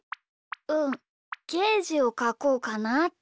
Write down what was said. うんゲージをかこうかなって。